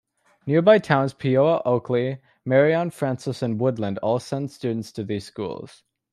Nearby towns Peoa, Oakley, Marion, Francis and Woodland all send students to these schools.